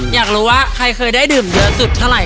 อยากรู้ว่าขอได้เยอะสุดเท่าไหร่